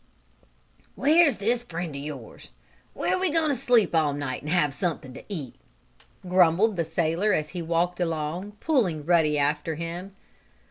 "Where's this friend of yours, where we're going to stop all night and have something to eat?" grumbled the sailor as he walked along, pulling Ruddy after him.